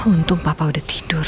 untung papa udah tidur